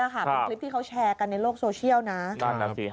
เป็นคลิปที่เขาแชร์กันในโลกโซเชียลนะ